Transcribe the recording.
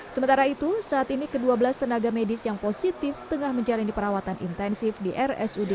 sementara itu saat ini kedua belas tenaga medis yang positif tengah menjalani perawatan intensif di rsud zainul abidin